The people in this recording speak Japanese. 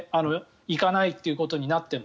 行かないということになっても。